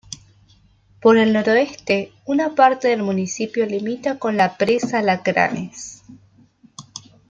Por el noroeste una parte del municipio limita con la Presa Alacranes.